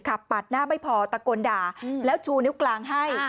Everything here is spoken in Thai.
ปัดหน้าไม่พอตะโกนด่าแล้วชูนิ้วกลางให้